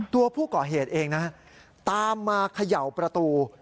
ตัวผู้ก่อเหตุเองนะตามมาเขย่าประตู